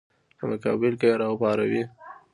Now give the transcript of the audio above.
په مقابل کې یې راپاروي.